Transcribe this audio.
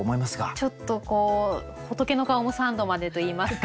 ちょっとこう仏の顔も三度までといいますか。